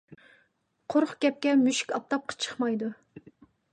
قۇرۇق گەپكە مۈشۈك ئاپتاپقا چىقمايدۇ.